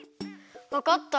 わかった！